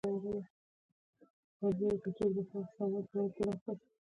له یوسف څخه به غواړم د خوبونو تعبیرونه